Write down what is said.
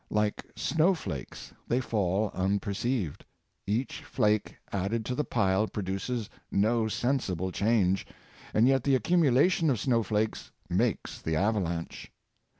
Like snow flakes, they fall unperceived; each flake added to the pile pro duces no sensible change, and yet the accumulation of snow flakes makes the avalanche.